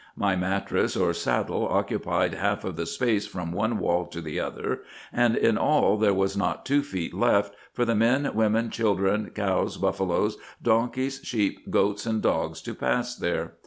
My mattress, or saddle, occupied half of the space from one wall to the other, and in all there was not two feet left, for the men, women, children, cows, buffaloes, donkeys, sheep, goats, and dogs, to pass there.